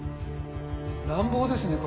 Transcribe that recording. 乱暴ですね